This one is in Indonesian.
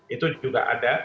itu juga ada